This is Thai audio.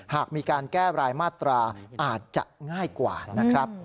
หากมีการแก้รายมาตราอาจจะง่ายกว่านะครับ